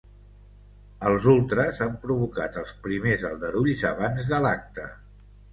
Els ultres han provocat els primers aldarulls abans de l’acte.